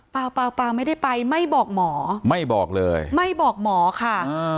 เปล่าเปล่าไม่ได้ไปไม่บอกหมอไม่บอกเลยไม่บอกหมอค่ะ